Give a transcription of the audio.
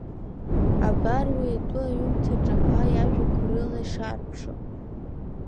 Абар уи атәы аҩымҭаҿы аԥа иажәақәа рыла ишаарԥшу…